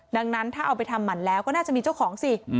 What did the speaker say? ดังนั้นถ้าเอาไปทำหมั่นแล้วก็น่าจะมีเจ้าของสิ